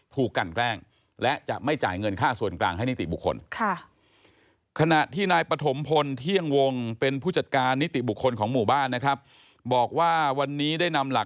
ถูกกันแกล้งและจะไม่จ่ายเงินค่าส่วนกลางให้นิติบุคคลค่ะ